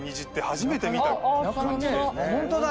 ホントだ。